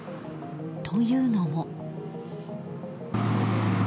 というのも。